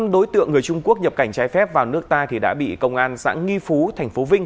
đối tượng người trung quốc nhập cảnh trái phép vào nước ta đã bị công an sản nghi phú thành phố vinh